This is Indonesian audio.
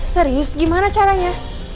serius gimana caranya